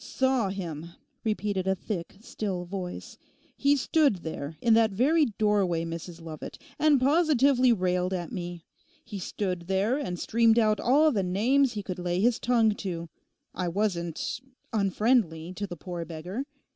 '"Saw him,"' repeated a thick, still voice. 'He stood there, in that very doorway, Mrs Lovat, and positively railed at me. He stood there and streamed out all the names he could lay his tongue to. I wasn't—unfriendly to the poor beggar.